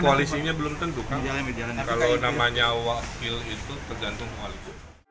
koalisinya belum tentu kalau namanya wakil itu tergantung koalisi